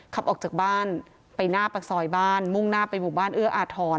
ขับออกจากบ้านไปหน้าปากซอยบ้านมุ่งหน้าไปหมู่บ้านเอื้ออาทร